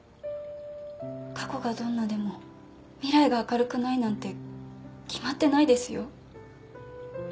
過去がどんなでも未来が明るくないなんて決まってないですよ。